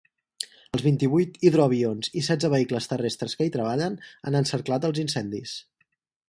Els vint-i-vuit hidroavions i setze vehicles terrestres que hi treballen han encerclat els incendis.